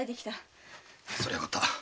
そりゃ良かった。